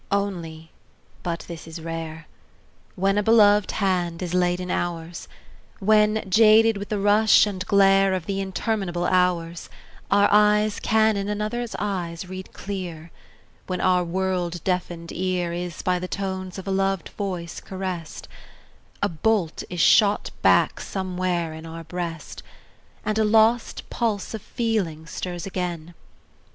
Only but this is rare When a beloved hand is laid in ours, When, jaded with the rush and glare Of the interminable hours, Our eyes can in another's eyes read clear, When our world deafened ear Is by the tones of a loved voice caressed A bolt is shot back somewhere in our breast, And a lost pulse of feeling stirs again.